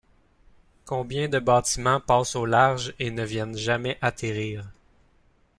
Combien de bâtiments passent au large et ne viennent jamais atterrir!